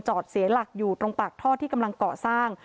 เสียหลักอยู่ตรงปากท่อที่กำลังก่อสร้าง